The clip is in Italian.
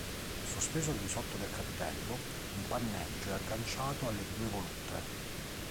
Sospeso al di sotto del capitello, un panneggio è agganciato alle due volute.